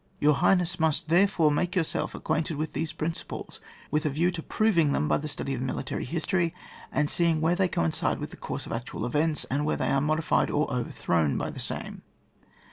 Tour Boyal Highness must therefore make yourself acquainted with these principles, with a view to proving them by the study of military history, and seeing where they coincide with the course of actual events, and where they are modified or overthrown by the same.